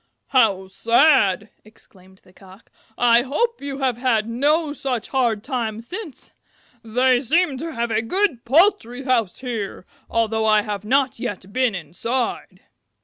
"How sad!" exclaimed the Cock. "I hope you have had no such hard time since. They seem to have a good poultry house here, although I have not yet been inside."